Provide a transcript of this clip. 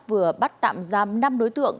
vừa bắt tạm giam năm đối tượng